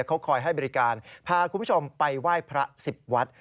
เขาคอยให้บริการพาคุณผู้ชมไปไหว้พระ๑๐วัด